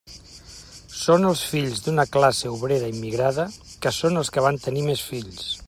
Són els fills d'una classe obrera immigrada, que són els que van tenir més fills.